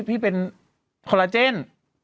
พี่เป็นคอลลาเจน